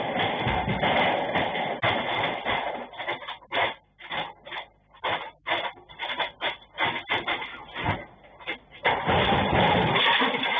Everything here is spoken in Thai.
ไม่ได้ไหวพูดเดี๋ยวพี่พูด